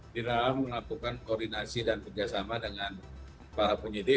di dalam melakukan koordinasi dan kerjasama dengan para penyidik